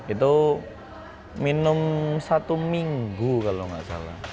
itu minum satu minggu kalau nggak salah